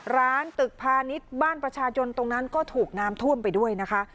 ตึกพาณิชย์บ้านประชาชนตรงนั้นก็ถูกน้ำท่วมไปด้วยนะคะ